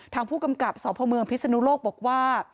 ทางผู้กำกับสพเมืองพิศนุโลกบอกว่า